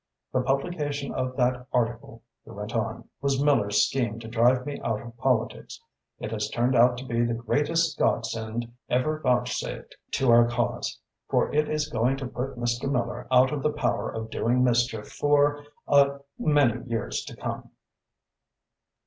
The publication of that article," he went on, "was Miller's scheme to drive me out of politics. It has turned out to be the greatest godsend ever vouchsafed to our cause, for it is going to put Mr. Miller out of the power of doing mischief for a many years to come."